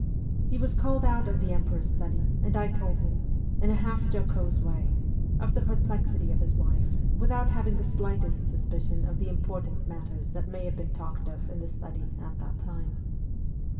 He was called out of the emperor's study, and I told him, in a half jocose way, of the perplexity of his wife, without having the slightest suspicion of the important matters that may have been talked of in the study at that time.